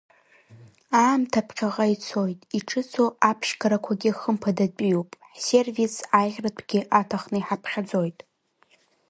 Аамҭа ԥхьаҟа ицоит, иҿыцу аԥшьгарақәагьы хымԥадатәиуп, ҳсервис аиӷьтәрагьы аҭахны иҳаԥхьаӡоит.